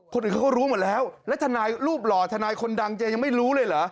คนอื่นเขาก็รู้หมดแล้วแล้วทนายรูปหล่อทนายคนดังจะยังไม่รู้เลยเหรอ